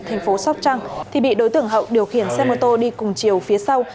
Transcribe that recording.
thành phố sóc trăng thì bị đối tượng hậu điều khiển xe mô tô đi cùng chiều phía sau